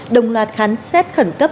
đồng loạt khám xét khẩn cấp